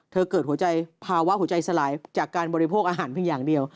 เกิดหัวใจภาวะหัวใจสลายจากการบริโภคอาหารเพียงอย่างเดียว